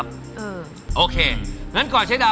แบบนั้นก็ใช้